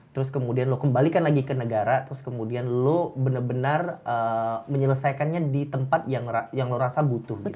terus kemudian lo kembalikan lagi ke negara terus kemudian lo benar benar menyelesaikannya di tempat yang lo rasa butuh gitu